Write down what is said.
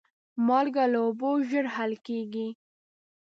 مالګه له اوبو ژر حل کېږي.